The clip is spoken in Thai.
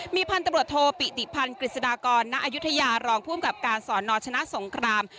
มีพันธุ์ตำรวจโทปิติพันธ์กฤษฎากรณอายุทยารองภูมิกับการสอนอชนะสงคราม